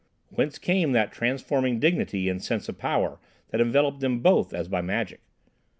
Whence came that transforming dignity and sense of power that enveloped them both as by magic?